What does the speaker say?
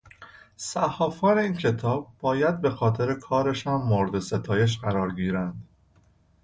صحافان این کتاب باید بهخاطر کارشان مورد ستایش قرار گیرند.